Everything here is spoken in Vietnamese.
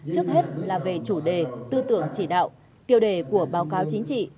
trước hết là về chủ đề tư tưởng chỉ đạo tiêu đề của báo cáo chính trị